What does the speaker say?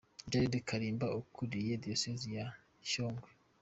Jered Kalimba ukuriye Diyoseze ya Shyogwe.